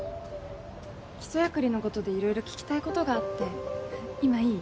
基礎薬理のことで色々聞きたいことがあって今いい？